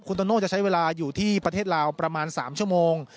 โตโน่จะใช้เวลาอยู่ที่ประเทศลาวประมาณ๓ชั่วโมง